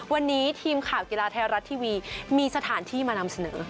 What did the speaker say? วันนี้ทีมข่าวกีฬาไทยรัฐทีวีมีสถานที่มานำเสนอ